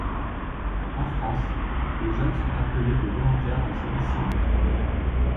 En France, les jeunes sont appelés des volontaires de service civique.